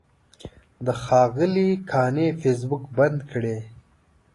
د ښاغلي قانع فیسبوک بند کړی.